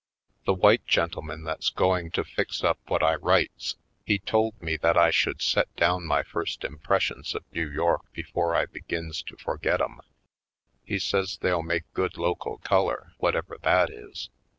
The white gentleman that's going to fix up what I writes, he told me that I should set down my first impressions of New York before I begins to forget 'em. He says they'll make good local color, whatever that is.